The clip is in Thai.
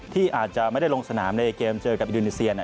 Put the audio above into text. ที่อาจจะไม่ได้ลงสนามในเกมเจอกับอินโดนีเซีย